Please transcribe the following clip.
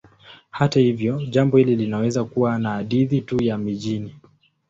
Hata hivyo, jambo hili linaweza kuwa ni hadithi tu ya mijini.